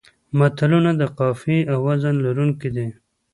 متلونه د قافیې او وزن لرونکي دي